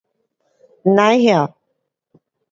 甭晓